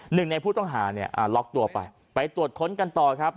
หนึ่งในผู้ต้องหาเนี่ยล็อกตัวไปไปตรวจค้นกันต่อครับ